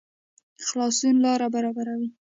خلاصون لاره برابروي